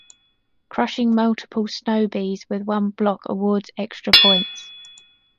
Crushing multiple Sno-Bees with one block awards extra points.